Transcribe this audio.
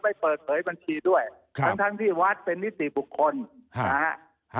ไม่เปิดเผยบัญชีด้วยทั้งที่วัดเป็นนิติบุคคลนะฮะ